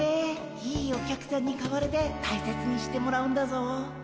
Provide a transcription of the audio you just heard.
いいお客さんに買われて大切にしてもらうんだぞ。